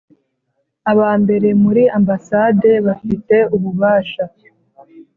aba mbere muri Ambasade bafite ububasha